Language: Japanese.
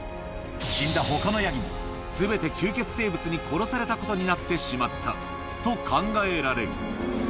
死んだほかのヤギも、すべて吸血生物に殺されたことになってしまったと、考えられる。